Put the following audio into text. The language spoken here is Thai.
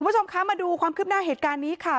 คุณผู้ชมคะมาดูความคืบหน้าเหตุการณ์นี้ค่ะ